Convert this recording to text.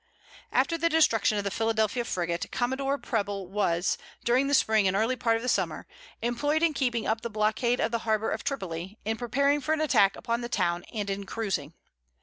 After the destruction of the Philadelphia frigate, commodore Preble was, during the spring and early part of the summer, employed in keeping up the blockade of the harbor of Tripoli, in preparing for an attack upon the town and in cruising.